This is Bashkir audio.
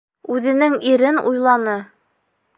Үҙенең ирен уйланы.